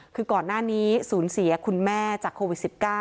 คือก่อนหน้านี้สูญเสียคุณแม่จากโควิด๑๙